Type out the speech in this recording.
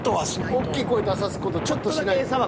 おっきい声出さす事ちょっとしないと。